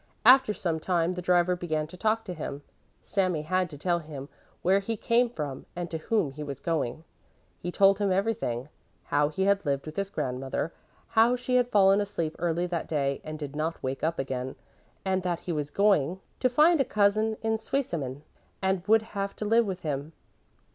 After some time the driver began to talk to him. Sami had to tell him where he came from and to whom he was going. He told him everything, how he had lived with his grandmother, how she had fallen asleep early that day, and did not wake up again; and that he was going to find a cousin in Zweisimmen and would have to live with him.